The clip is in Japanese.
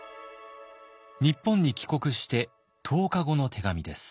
日本に帰国して１０日後の手紙です。